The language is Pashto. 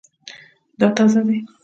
دا تازه دی